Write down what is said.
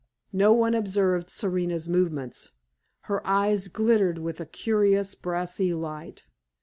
No one observed Serena's movements. Her eyes glittered with a curious, brassy light.